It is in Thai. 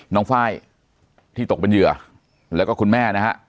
ไฟล์ที่ตกเป็นเหยื่อแล้วก็คุณแม่นะฮะ